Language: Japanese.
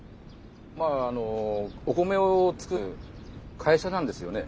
まああのお米を作る会社なんですよね。